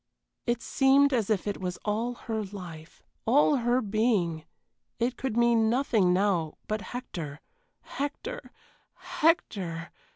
It seemed as if it was all her life, all her being it could mean nothing now but Hector Hector Hector!